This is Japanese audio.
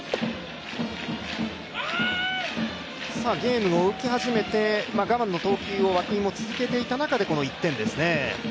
ゲームが動き始めて我慢の投球を涌井も続けていた中でこの１点ですね。